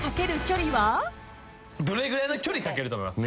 どれぐらいの距離書けると思います？